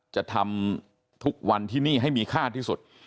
จะทำทุกวันที่นี่ให้มีค่าที่สุด